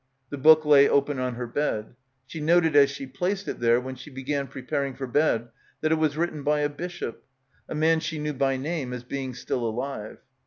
The book lay open on her bed. She noted as she placed it there when she began preparing for bed that it was written by a bishop, a man she knew by name as being still alive.